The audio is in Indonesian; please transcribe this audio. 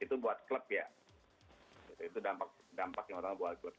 itu buat klub ya itu dampak yang utama buat klub